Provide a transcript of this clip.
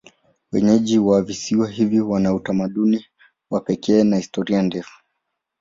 Wenyeji wa visiwa hivi wana utamaduni wa pekee na historia ndefu.